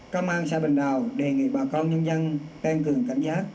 công an xã bình đào đề nghị bà con nhân dân tăng cường cảnh giác